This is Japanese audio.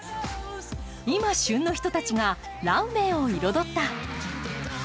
今、旬の人たちがランウェイを彩った。